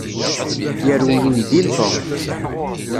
Yerwel uydi n Tom.